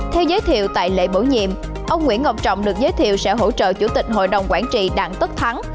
theo giới thiệu tại lễ bổ nhiệm ông nguyễn ngọc trọng được giới thiệu sẽ hỗ trợ chủ tịch hội đồng quản trị đảng tất thắng